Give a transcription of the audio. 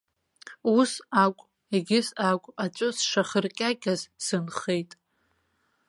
Ус акә, егьыс акә, аҵәы сшахаркьакьаз сынхеит.